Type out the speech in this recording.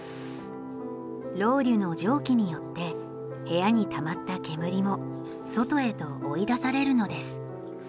ロウリュの蒸気によって部屋にたまった煙も外へと追い出されるのです。